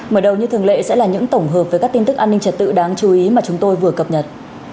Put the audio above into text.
mở đầu như thường lệ sẽ là những tổng hợp với các tin tức an ninh trật tự đáng chú ý mà chúng tôi vừa cập nhật